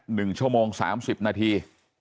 หนึ่งชั่วโมงสามสิบนาที